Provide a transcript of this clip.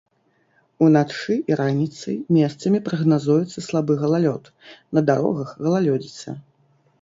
Уначы і раніцай месцамі прагназуецца слабы галалёд, на дарогах галалёдзіца.